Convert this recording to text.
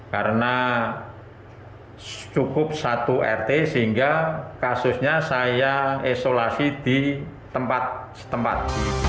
karena cukup satu rt sehingga kasusnya saya isolasi di tempat setempat